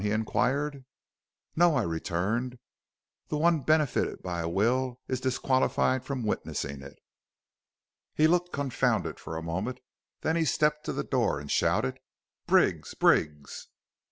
he inquired. "'No,' I returned; 'the one benefited by a will is disqualified from witnessing it.' "He looked confounded for a moment. Then he stepped to the door and shouted, 'Briggs! Briggs!'